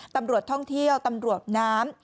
ตำรวจท่องเที่ยวตำรวจน้ำ